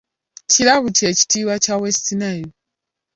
Kilaabu kye kitiibwa kya west Nile